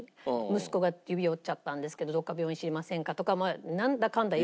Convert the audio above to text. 息子が指折っちゃったんですけどどこか病院知りませんか？とかなんだかんだ